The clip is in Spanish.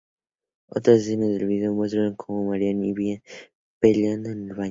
Otras escenas del vídeo muestran a Mariah y a Bianca peleando en el baño.